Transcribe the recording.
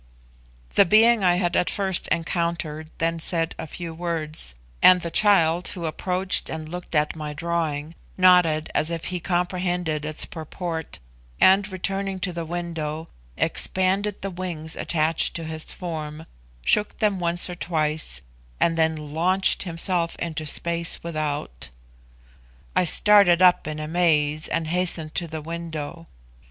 The being I had at first encountered then said a few words, and the child, who approached and looked at my drawing, nodded as if he comprehended its purport, and, returning to the window, expanded the wings attached to his form, shook them once or twice, and then launched himself into space without. I started up in amaze and hastened to the window.